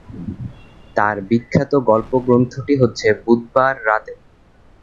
তাঁর বিখ্যাত গল্পগ্রন্থটি হচ্ছে বুধবার রাতে।